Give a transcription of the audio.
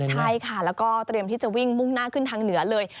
ใช่ค่ะแล้วก็เตรียมที่จะวิ่งมุ่งหน้าขึ้นทางเหนือเลย